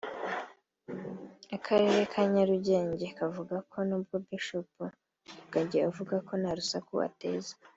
Akarere ka Nyarugenge kavuga ko nubwo Bishop Rugagi avuga ko nta rusaku ateza